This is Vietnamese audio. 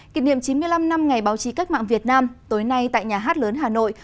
kỷ niệm chín mươi năm năm ngày báo chí cách mạng việt nam tối nay tại nhà hát lớn hà nội